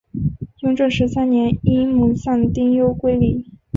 雍正十三年因母丧丁忧归里。